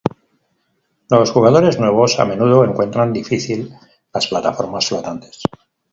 Los jugadores nuevos a menudo encuentran difícil las plataformas flotantes.